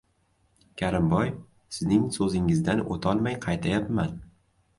— Karimboy, sizning so‘zingizdan o‘tolmay qaytayapman.